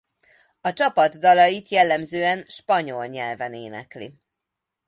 A csapat dalait jellemzően spanyol nyelven énekli.